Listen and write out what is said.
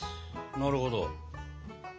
なるほど。